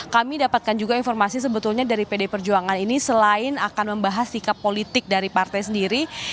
kami dapatkan juga informasi sebetulnya dari pd perjuangan ini selain akan membahas sikap politik dari partai sendiri